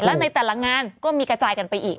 และในแต่ละงานก็มีกระจายกันไปอีก